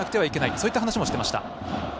そういった話をしていました。